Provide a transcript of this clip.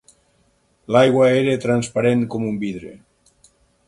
L'aigua era transparent com un vidre.